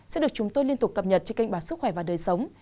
sẽ được chúng tôi liên tục cập nhật trên kênh báo sức khỏe và đời sống